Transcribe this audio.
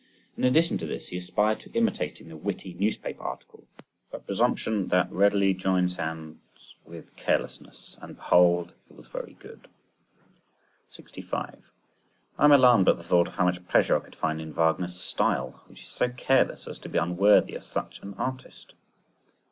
In addition to this he aspired to imitating the witty newspaper article, and finally acquired that presumption which readily joins hands with carelessness "and, behold, it was very good." 65. I am alarmed at the thought of how much pleasure I could find in Wagner's style, which is so careless as to be unworthy of such an artist.